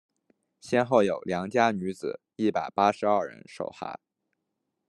先后有良家女子一百八十二人受害。